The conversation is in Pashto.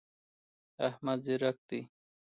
احمد ځیرک دی.